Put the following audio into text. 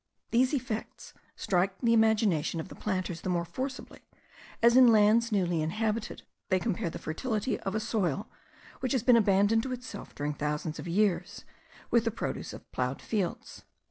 These effects strike the imagination of the planters the more forcibly, as in lands newly inhabited they compare the fertility of a soil which has been abandoned to itself during thousands of years, with the produce of ploughed fields.